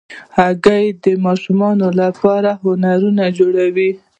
هګۍ د ماشومانو لپاره هنرونه جوړوي.